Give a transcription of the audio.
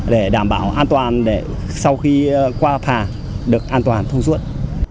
để đảm bảo an toàn để sau khi qua phà được an toàn thông suốt